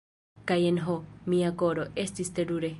Kaj jen ho, mia koro, estis terure.